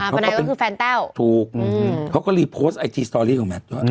นายก็คือแฟนแต้วถูกเขาก็รีโพสต์ไอจีสตอรี่ของแมทด้วย